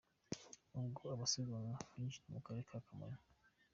Ubwo abasiganwa binjiraga mu karere ka Kamonyi.